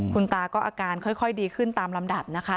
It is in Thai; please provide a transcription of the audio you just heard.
คุณตาก็อาการค่อยดีขึ้นตามลำดับนะคะ